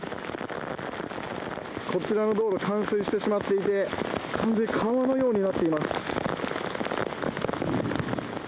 こちらの道路、冠水してしまっていて、完全に川のようになってしまっています。